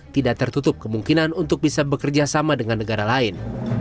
tidak tertutup kemungkinan untuk bisa bekerjasama dengan negara lain